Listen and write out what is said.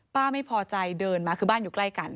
ป้าไม่พอใจเดินมาคือบ้านอยู่ใกล้กัน